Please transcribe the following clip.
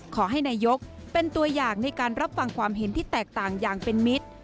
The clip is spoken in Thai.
ขอให้นายกเป็นตัวอย่างในการรับฟังความเห็นที่แตกต่างอย่างเป็นมิตร